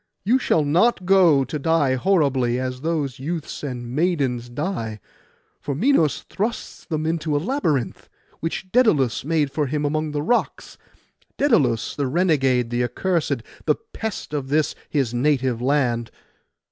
You shall not go, to die horribly, as those youths and maidens die; for Minos thrusts them into a labyrinth, which Daidalos made for him among the rocks,—Daidalos the renegade, the accursed, the pest of this his native land.